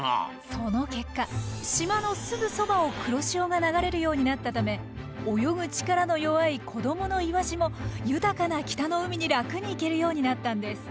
その結果島のすぐそばを黒潮が流れるようになったため泳ぐ力の弱い子どものイワシも豊かな北の海に楽に行けるようになったんです。